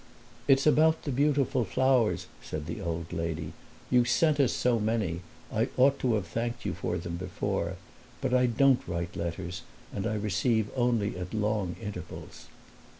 "It's about the beautiful flowers," said the old lady; "you sent us so many I ought to have thanked you for them before. But I don't write letters and I receive only at long intervals."